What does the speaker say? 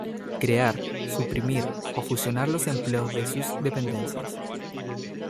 Crear, suprimir o fusionar los empleos de sus dependencias.